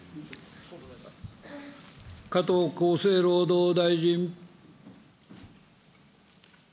加藤厚生労働大臣。